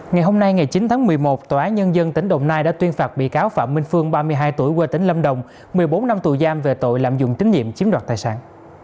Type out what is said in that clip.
ngày hôm nay ngày chín tháng một mươi một tòa án nhân dân tỉnh đồng nai đã tuyên phạt bị cáo phạm minh phương ba mươi hai tuổi quê tỉnh lâm đồng một mươi bốn năm tù giam về tội lạm dụng tín nhiệm chiếm đoạt tài sản